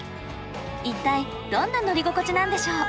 一体どんな乗り心地なんでしょう？